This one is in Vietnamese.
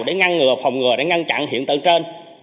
để ngăn ngừa phòng ngừa để ngăn chặn hiện tượng trên